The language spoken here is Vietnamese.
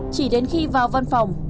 chỉ đến khi vào văn phòng